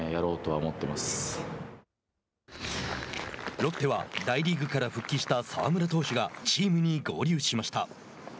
ロッテは大リーグから復帰した澤村投手がチームに合流しました。